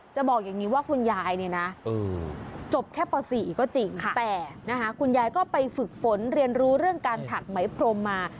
จะบอกอย่างนี้ว่าคุณยายเนี่ยนะจบแค่ป๔ก็จริงแต่นะคะคุณยายก็ไปฝึกฝนเรียนรู้เรื่องการถักไหมพรมมา